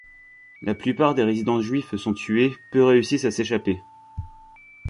La plupart des résidents juifs sont tués, peu réussissent à s'échapper.